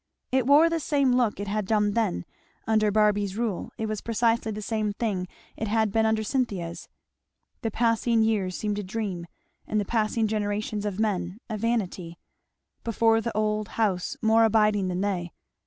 It wore the same look it had done then; under Barby's rule it was precisely the same thing it had been under Cynthia's. The passing years seemed a dream, and the passing generations of men a vanity, before the old house more abiding than they.